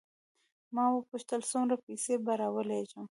ما وپوښتل څومره پیسې به راولېږم.